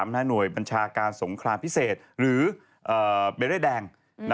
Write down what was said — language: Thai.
หน่วยบัญชาการสงครามพิเศษหรือเบเร่แดง